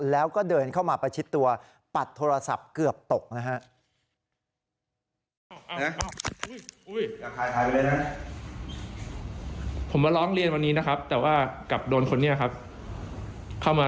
แล้วก็เดินเข้ามาประชิดตัวปัดโทรศัพท์เกือบตกนะฮะ